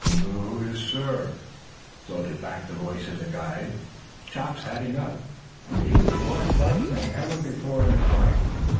"N n nassir," floated back the voice of the guide. Chops had enough. He was more frightened than ever before in his life.